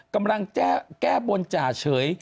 กำลังแก้บนจ่าเฉย